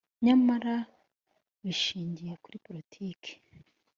nyamara bishingiye kuri politiki